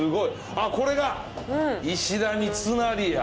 あっこれが石田三成や。